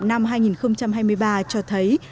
năm hai nghìn hai mươi ba cho thấy